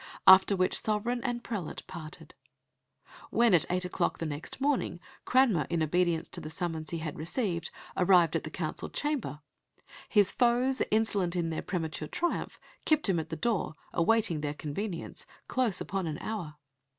After which sovereign and prelate parted. When, at eight o'clock the next morning, Cranmer, in obedience to the summons he had received, arrived at the Council Chamber, his foes, insolent in their premature triumph, kept him at the door, awaiting their convenience, close upon an hour.